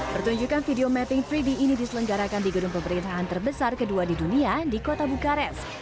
pertunjukan video mapping tiga d ini diselenggarakan di gedung pemerintahan terbesar kedua di dunia di kota bukares